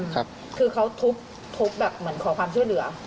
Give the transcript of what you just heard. คือเขาทุบแบบเหมือนขอความช่วยเหลือ